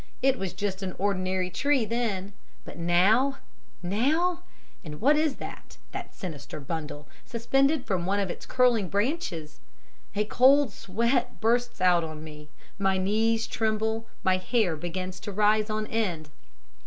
It was just an ordinary tree then, but now, now and what is that that sinister bundle suspended from one of its curling branches? A cold sweat bursts out on me, my knees tremble, my hair begins to rise on end.